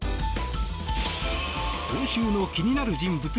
今週の気になる人物